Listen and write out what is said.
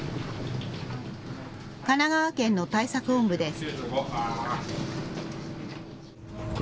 神奈川県の対策本部です。